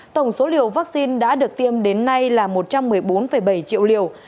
tổng số liều vaccine đã được tiêm đến nay là một trăm một mươi bốn bảy triệu liều